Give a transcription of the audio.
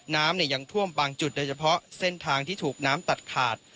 น้ำยังท่วมบางจุดโดยเฉพาะเส้นทางที่ถูกน้ำตัดขาด